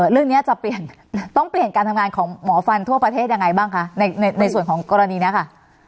เรื่องนี้จะเปลี่ยนต้องเปลี่ยนการทำงานของหมอฟันทั่วประเทศยังไงบ้างคะในส่วนของกรณีนี้ค่ะ